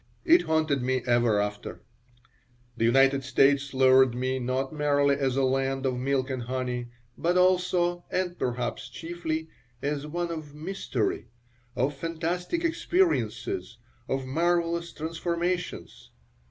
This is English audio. It haunted me ever after The United States lured me not merely as a land of milk and honey, but also, and perhaps chiefly, as one of mystery, of fantastic experiences, of marvelous transformations.